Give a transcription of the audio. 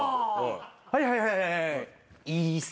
はいはいはい椅子。